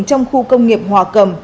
trong khu công nghiệp hòa cầm